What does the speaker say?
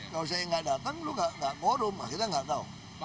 kalau saya nggak datang lu nggak quorum kita nggak tahu